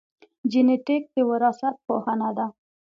جینېټیک د وراثت پوهنه ده